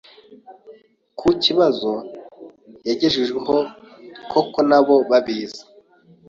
Ku kibazo yagejejweho koko nabo babizi